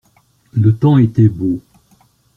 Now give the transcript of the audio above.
Le temps était beau.